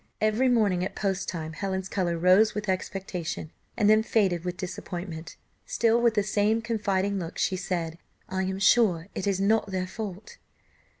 Every morning at post time Helen's colour rose with expectation, and then faded with disappointment; still, with the same confiding look, she said, "I am sure it is not their fault."